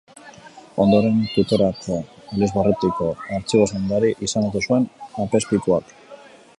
Ondoren Tuterako elizbarrutiko artxibo-zaindari izendatu zuen apezpikuak.